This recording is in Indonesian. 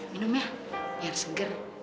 minum ya yang seger